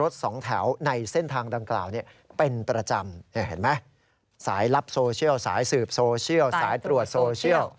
โซเชียลสายตรวจโซเชียล